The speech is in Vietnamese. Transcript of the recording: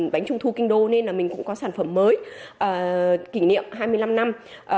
bánh trung thu kinh đô nên là mình cũng có sản phẩm mới kỷ niệm hai mươi năm năm